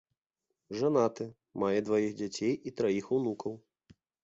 Жанаты, мае дваіх дзяцей і траіх унукаў.